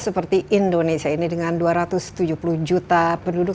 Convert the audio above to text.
seperti indonesia ini dengan dua ratus tujuh puluh juta penduduk